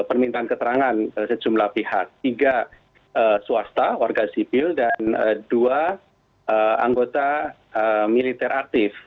permintaan keterangan sejumlah pihak tiga swasta warga sipil dan dua anggota militer aktif